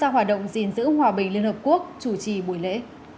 hòa bình liên hợp quốc chủ trì buổi lễ